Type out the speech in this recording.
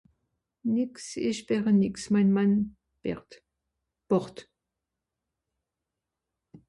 nìx isch bäche nìx mein mann bächt bàcht